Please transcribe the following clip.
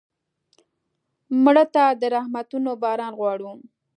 مړه ته د رحمتونو باران غواړو